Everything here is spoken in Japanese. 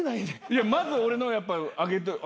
いやまず俺のをやっぱあげといて。